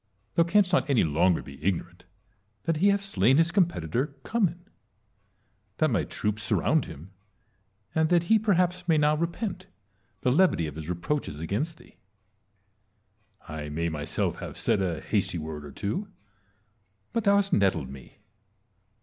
Thou canst not any longer be ignorant that he hath slain his competitor, Cummin; that my troops surround hira ; and that he perhaps may now repent the levity of his reproaches against thee. I may myself have said a hasty word or two ; but thou hast nettled me.